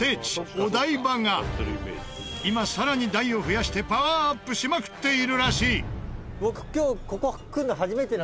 お台場が今更に台を増やしてパワーアップしまくっているらしい。